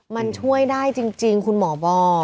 มันช่วยได้จริงคุณหมอบอก